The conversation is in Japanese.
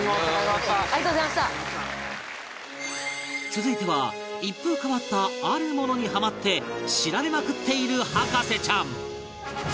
続いては一風変わったあるものにハマって調べまくっている博士ちゃん